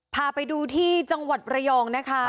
พาไปดูที่จังหวัดระยองนะคะ